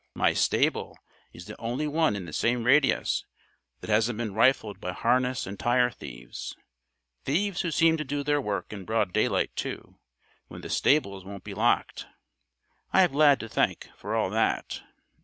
"My stable is the only one in the same radius that hasn't been rifled by harness and tire thieves. Thieves who seem to do their work in broad daylight, too, when the stables won't be locked. I have Lad to thank for all that.